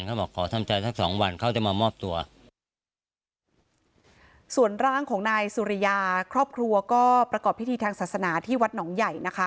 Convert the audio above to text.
เขาบอกขอทำใจสักสองวันเขาจะมามอบตัวส่วนร่างของนายสุริยาครอบครัวก็ประกอบพิธีทางศาสนาที่วัดหนองใหญ่นะคะ